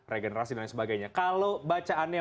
regenerasi dan lain sebagainya kalau bacaannya